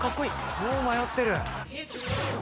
もう迷ってる。